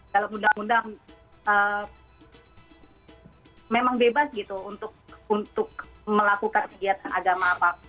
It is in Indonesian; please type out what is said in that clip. dalam undang undang memang bebas gitu untuk melakukan kegiatan agama